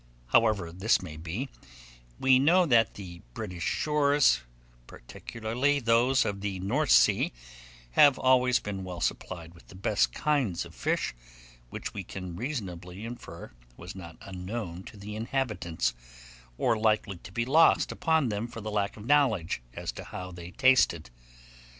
However this may be, we know that the British shores, particularly those of the North Sea, have always been well supplied with the best kinds of fish, which we may reasonably infer was not unknown to the inhabitants, or likely to be lost upon them for the lack of knowledge as to how they tasted.